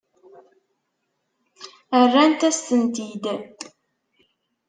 Rrant-as-tent-id.